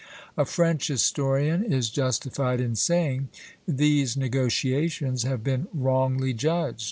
A French historian is justified in saying: "These negotiations have been wrongly judged.